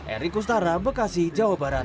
erik kustara bekasi jawa barat